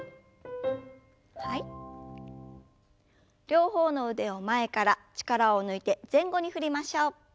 両方の腕を前から力を抜いて前後に振りましょう。